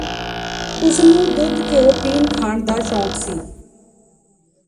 ਉਸਨੂੰ ਦੁੱਧ ਘਿਓ ਪੀਣ ਖਾਣ ਦਾ ਸ਼ੌਕ ਸੀ